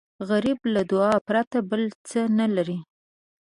غریب له دعا پرته بل څه نه لري